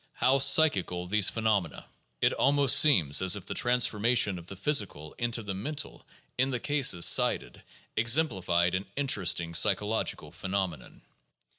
How "psychical" these phe nomena! It almost seems as if the transformation of the physical into the mental in the cases cited exemplified an interesting psy chological phenomenon.